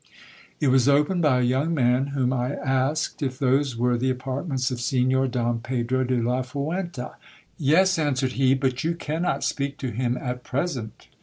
It was opened by a young man, whom I asked if those were the apartments of Signor Don Pedro de la Fuenta. Yes, answered he, but you cannot speak to him at present.